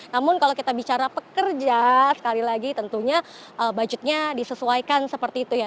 namun kalau kita bicara pekerja sekali lagi tentunya budgetnya disesuaikan seperti itu ya